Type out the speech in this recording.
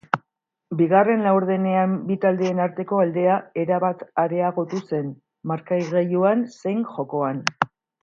Bigarren laurdenean bi taldeen arteko aldea erabat areagotu zen, markagailuan zein jokoan.